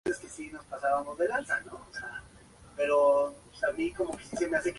Anteriormente obtuvo la licenciatura y bachillerato en economía en la Universidad de Costa Rica.